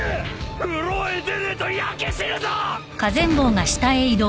フロアへ出ねえと焼け死ぬぞ！